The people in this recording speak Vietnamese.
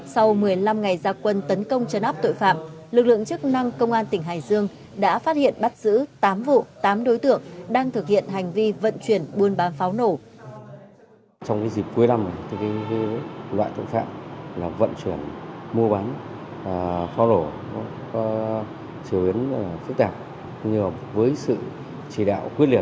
sau một mươi năm ngày gia quân tấn công chân áp tội phạm lực lượng chức năng công an tỉnh hải dương đã phát hiện bắt giữ tám vụ tám đối tượng đang thực hiện hành vi vận chuyển buôn bán pháo lổ